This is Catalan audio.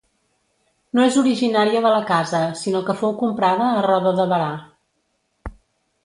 No és originària de la casa sinó que fou comprada a Roda de Barà.